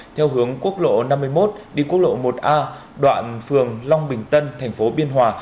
theo hướng quốc lộ năm mươi một đi quốc lộ một a đoạn phường long bình tân thành phố biên hòa